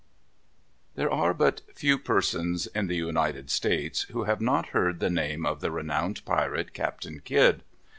There are but few persons, in the United States, who have not heard the name of the renowned pirate, Captain Kidd.